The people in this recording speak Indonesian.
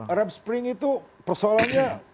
arab spring itu persoalannya